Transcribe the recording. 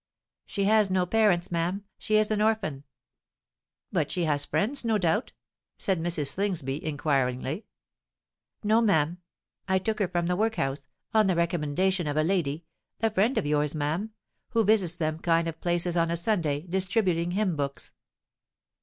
"She has no parents, ma'am—she is an orphan." "But she has friends, no doubt?" said Mrs. Slingsby, inquiringly. "No, ma'am: I took her from the workhouse, on the recommendation of lady—a friend of yours, ma'am—who visits them kind of places on a Sunday, distributing hymn books."